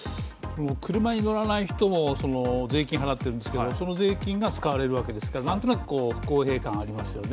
車に乗らない人も税金を払ってるわけですがその税金が使われているので何となく不公平感がありますよね。